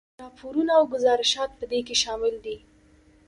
راپورونه او ګذارشات په دې کې شامل دي.